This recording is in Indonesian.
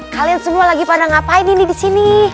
kalian semua lagi pada ngapain ini di sini